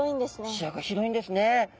視野が広いんですね。